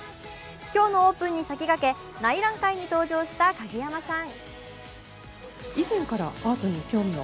今日のオープンに先駆け、内覧会に登場した影山さん。